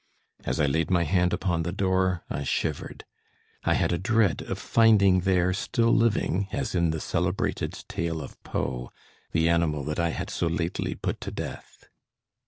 As I laid my hand upon the door, I shivered. I had a dread of finding there still living, as in the celebrated tale of Poe, the animal that I had so lately put to death.